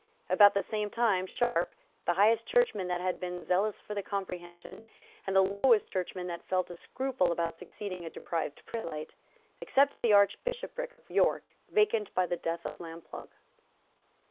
About the same time Sharp, the highest churchman that had been zealous for the Comprehension, and the lowest churchman that felt a scruple about succeeding a deprived prelate, accepted the Archbishopric of York, vacant by the death of Lamplugh.